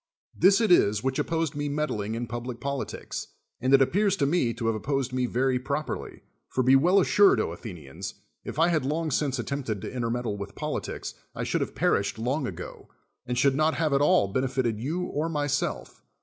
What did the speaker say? This it is which opposed my meddling in publir politics: and it appears to me to ha\«> o[>p')s< d !.:i' V' .'y prop.Tly. For 71 THE WORLD'S FAMOUS ORATIONS be well assured, Athenians, if I had long since attempted to intermeddle with politics, I should have perished long ago, and should not have at all benefited you or myself.